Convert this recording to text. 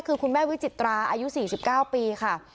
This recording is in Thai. คือคุณแม่วิจิตราอายุ๔๙ปีค่ะ